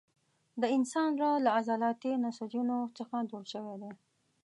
د انسان زړه له عضلاتي نسجونو څخه جوړ شوی دی.